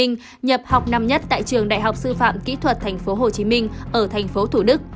nhập học năm nhất tại trường đại học sư phạm kỹ thuật tp hcm ở tp thủ đức